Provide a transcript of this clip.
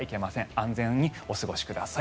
安全にお過ごしください。